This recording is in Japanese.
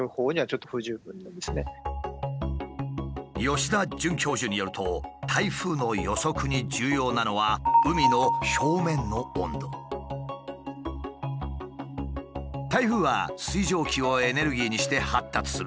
吉田准教授によると台風の予測に重要なのは台風は水蒸気をエネルギーにして発達する。